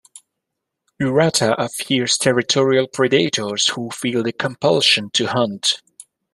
Uratha are fierce territorial predators who feel the compulsion to hunt.